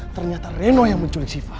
ternyata reno yang menculik sifah